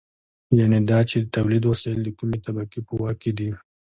یانې دا چې د تولید وسایل د کومې طبقې په واک کې دي.